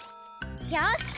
よし！